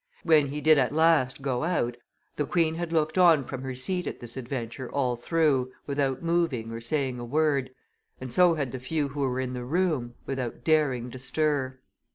When he did at last go out, the queen had looked on from her seat at this adventure all through, without moving or saying a word, and so had the few who were in the room, without daring to stir.